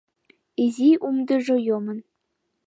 Изи умдыжо йомын.